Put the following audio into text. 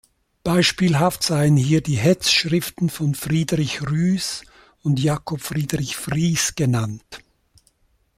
Beispielhaft seien hier die Hetzschriften von Friedrich Rühs und Jakob Friedrich Fries genannt.